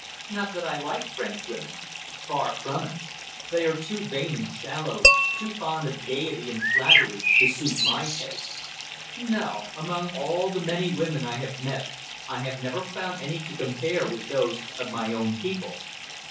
Not that I like Frenchwomen. Far from it. They are too vain and shallow, too fond of gaiety and flattery to suit my taste. No; among all the many women I have met I have never found any to compare with those of my own people.